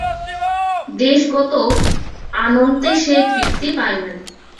দেশগত আনন্ত্যে সে তৃপ্তি পায় নাই।